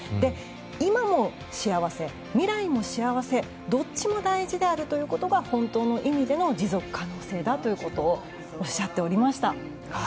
今の幸せ、未来の幸せどっちも大事であるということが本当の意味での持続可能性だとおっしゃっていました。